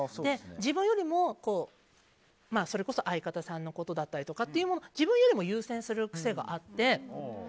自分よりもそれこそ相方さんだったりとか自分よりも優先する癖があって。